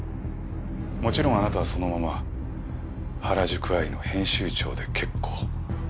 もちろんあなたはそのまま『原宿アイ』の編集長で結構。